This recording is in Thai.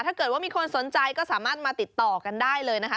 ถ้าเกิดว่ามีคนสนใจก็สามารถมาติดต่อกันได้เลยนะคะ